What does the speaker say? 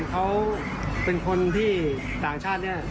เขาเป็นคนที่ต่างชาติเนี่ย